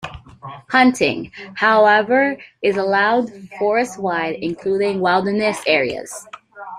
Hunting, however is allowed forest-wide including wilderness areas.